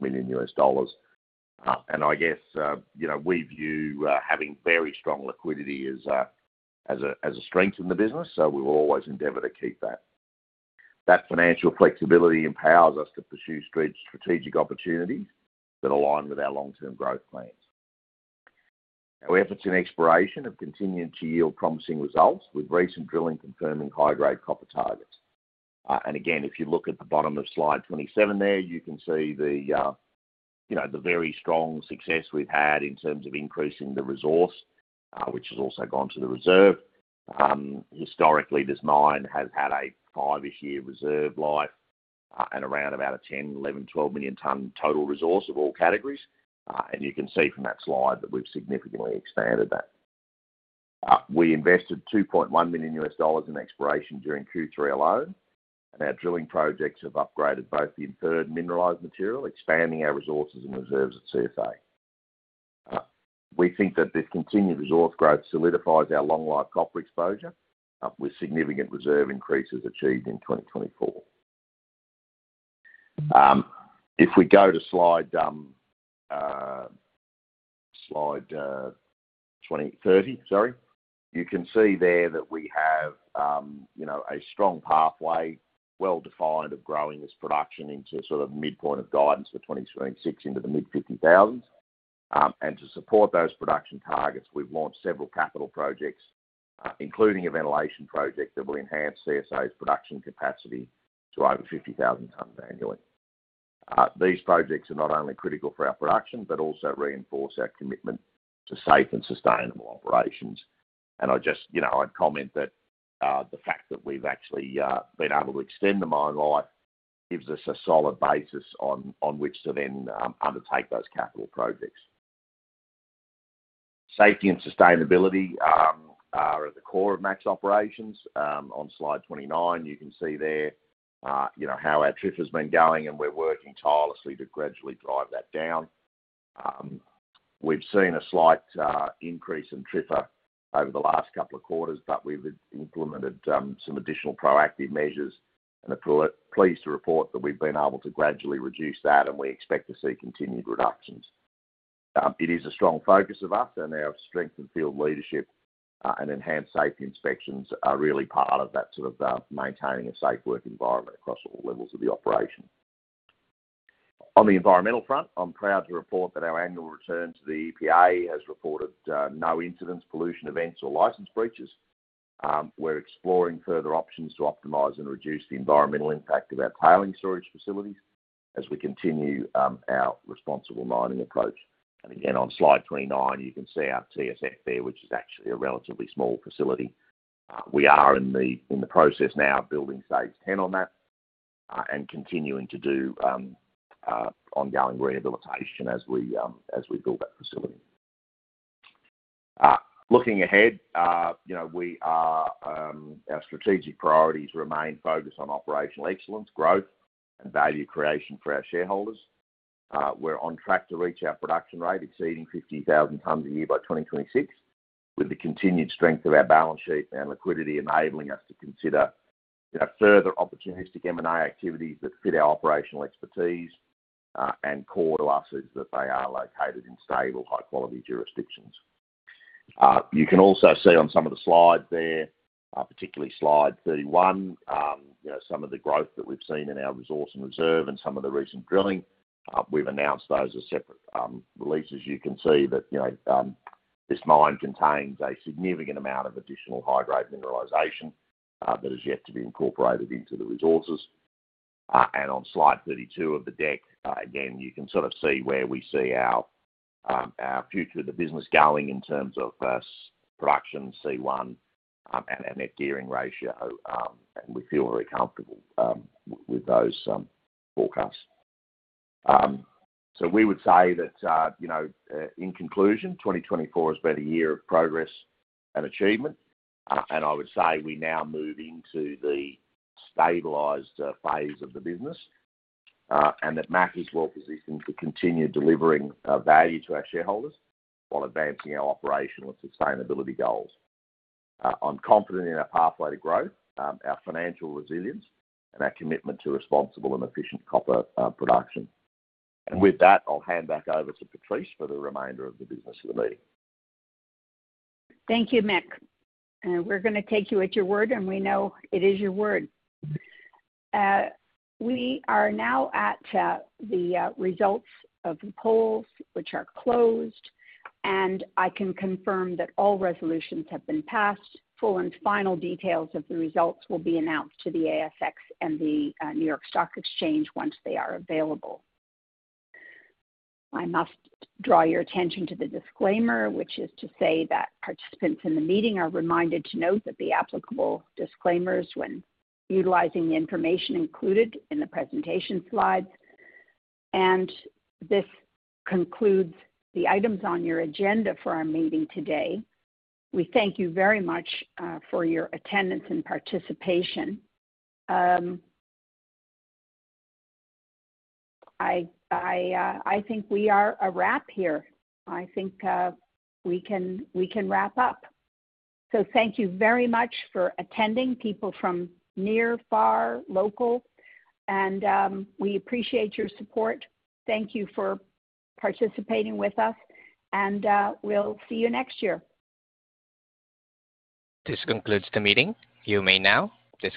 S4: million. I guess we view having very strong liquidity as a strength in the business, so we will always endeavor to keep that. That financial flexibility empowers us to pursue strategic opportunities that align with our long-term growth plans. Our efforts in exploration have continued to yield promising results with recent drilling confirming high-grade copper targets. Again, if you look at the bottom of slide 27 there, you can see the very strong success we've had in terms of increasing the resource, which has also gone to the reserve. Historically, this mine has had a five-ish year reserve life and around about a 10, 11, 12 million ton total resource of all categories. You can see from that slide that we've significantly expanded that. We invested $2.1 million in exploration during Q3 alone, and our drilling projects have upgraded both the inferred mineralized material, expanding our resources and reserves at CSA. We think that this continued resource growth solidifies our long-life copper exposure with significant reserve increases achieved in 2024. If we go to slide 2030, sorry, you can see there that we have a strong pathway, well-defined of growing this production into sort of midpoint of guidance for 2026 into the mid-50,000s. To support those production targets, we've launched several capital projects, including a ventilation project that will enhance CSA's production capacity to over 50,000 tons annually. These projects are not only critical for our production but also reinforce our commitment to safe and sustainable operations. I'd comment that the fact that we've actually been able to extend the mine life gives us a solid basis on which to then undertake those capital projects. Safety and sustainability are at the core of MAC's operations. On slide 29, you can see there how our TRIFR has been going, and we're working tirelessly to gradually drive that down. We've seen a slight increase in TRIFR over the last couple of quarters, but we've implemented some additional proactive measures, and pleased to report that we've been able to gradually reduce that, and we expect to see continued reductions. It is a strong focus of us, and our strength and field leadership and enhanced safety inspections are really part of that sort of maintaining a safe work environment across all levels of the operation. On the environmental front, I'm proud to report that our annual return to the EPA has reported no incidents, pollution events, or license breaches. We're exploring further options to optimize and reduce the environmental impact of our tailings storage facilities as we continue our responsible mining approach. And again, on slide 29, you can see our TSF there, which is actually a relatively small facility. We are in the process now of building stage 10 on that and continuing to do ongoing rehabilitation as we build that facility. Looking ahead, our strategic priorities remain focused on operational excellence, growth, and value creation for our shareholders. We're on track to reach our production rate exceeding 50,000 tons a year by 2026, with the continued strength of our balance sheet and liquidity enabling us to consider further opportunistic M&A activities that fit our operational expertise and core to us is that they are located in stable, high-quality jurisdictions. You can also see on some of the slides there, particularly slide 31, some of the growth that we've seen in our resource and reserve and some of the recent drilling. We've announced those as separate releases. You can see that this mine contains a significant amount of additional high-grade mineralization that is yet to be incorporated into the resources. On slide 32 of the deck, again, you can sort of see where we see our future of the business going in terms of production C1 and our net gearing ratio, and we feel very comfortable with those forecasts. We would say that in conclusion, 2024 has been a year of progress and achievement, and I would say we now move into the stabilized phase of the business and that MAC is well-positioned to continue delivering value to our shareholders while advancing our operational and sustainability goals. I'm confident in our pathway to growth, our financial resilience, and our commitment to responsible and efficient copper production. With that, I'll hand back over to Patrice for the remainder of the business of the meeting.
S2: Thank you, Mick. We're going to take you at your word, and we know it is your word. We are now at the results of the polls, which are closed, and I can confirm that all resolutions have been passed. Full and final details of the results will be announced to the ASX and the New York Stock Exchange once they are available. I must draw your attention to the disclaimer, which is to say that participants in the meeting are reminded to note that the applicable disclaimers when utilizing the information included in the presentation slides. And this concludes the items on your agenda for our meeting today. We thank you very much for your attendance and participation. I think we are a wrap here. I think we can wrap up. So thank you very much for attending, people from near, far, local, and we appreciate your support. Thank you for participating with us, and we'll see you next year.
S1: This concludes the meeting. You may now disconnect.